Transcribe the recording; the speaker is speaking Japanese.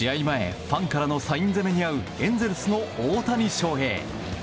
前ファンからのサイン攻めにあうエンゼルスの大谷翔平。